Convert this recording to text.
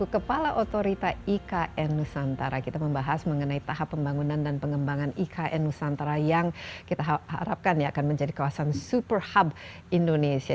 kepala otorita ikn nusantara kita membahas mengenai tahap pembangunan dan pengembangan ikn nusantara yang kita harapkan akan menjadi kawasan super hub indonesia